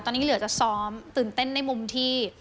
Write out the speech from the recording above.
ตอนนี้เหลือจะซ้อมตื่นเต้นในมุมที่